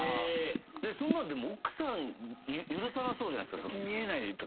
そんなんでも奥さん許さなそうじゃないですか。